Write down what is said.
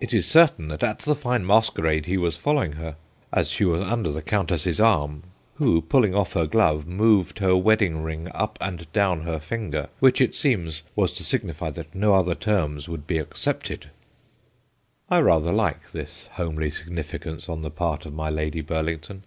It is certain that at the fine masquerade he was following her, as she was under the Countess's arm, who, pulling off her glove, moved her wedding ring up and down her finger ... which it seems was to signify that no other terms would be accepted/ I rather like this homely significance on the part of my Lady Burlington.